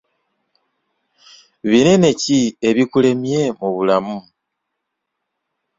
Binene ki ebikulemye mu bulamu?